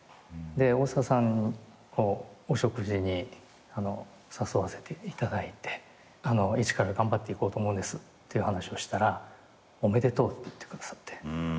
大沢さんをお食事に誘わせていただいて一から頑張っていこうと思うんですっていう話をしたらおめでとうって言ってくださって。